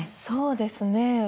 そうですね。